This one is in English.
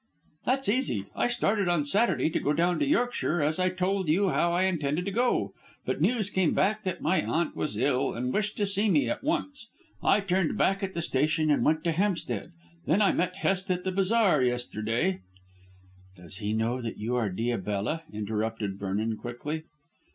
"That's easy. I started on Saturday to go down to Yorkshire, as I told you how I intended to go. But news came that my aunt was ill and wished to see me at once. I turned back at the station and went to Hampstead. Then I met Hest at the bazaar yesterday " "Does he know that you are Diabella?" interrupted Vernon quickly.